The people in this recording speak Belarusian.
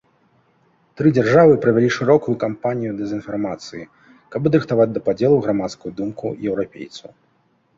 Тры дзяржавы правялі шырокую кампанію дэзінфармацыі, каб падрыхтаваць да падзелу грамадскую думку еўрапейцаў.